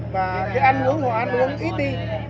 và cái ăn hướng hóa ăn hướng ít đi